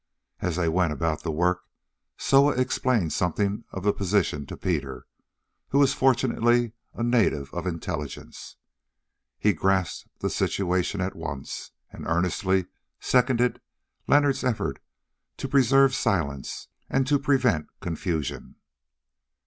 As they went about the work Soa explained something of the position to Peter, who was fortunately a native of intelligence. He grasped the situation at once and earnestly seconded Leonard's efforts to preserve silence and to prevent confusion.